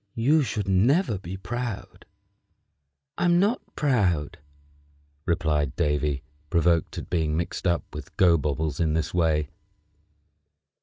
You should never be proud." "I'm not proud," replied Davy, provoked at being mixed up with Gobobbles in this way.